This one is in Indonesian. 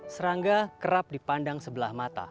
serangga kerap dipandang sebelah mata